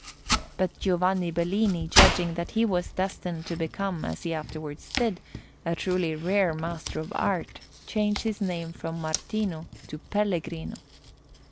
But Giovanni Bellini, judging that he was destined to become, as he afterwards did, a truly rare master of art, changed his name from Martino to Pellegrino.